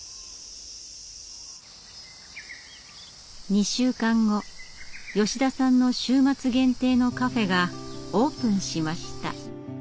２週間後吉田さんの週末限定のカフェがオープンしました。